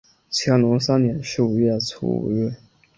乾隆三年十一月初五日。